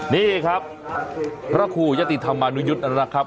นี่ครับพระคู่ยศติธรรมนุยุษน์อันนั้นครับ